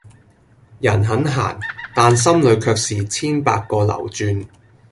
人很閒、但心裏卻是千百個流轉